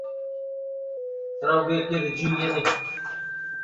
قل لكس الأسنان أنت سميات